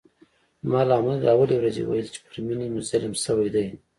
ما له همهغې اولې ورځې ویل چې پر مينې ظلم شوی دی